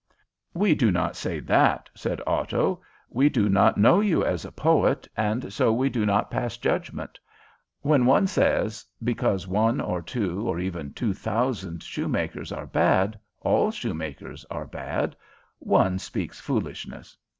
"We do not say that," said Otto. "We do not know you as a poet, and so we do not pass judgment. When one says because one or two, or even two thousand, shoemakers are bad, all shoemakers are bad, one speaks foolishness.